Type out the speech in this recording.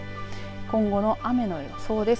今後の雨の予想です。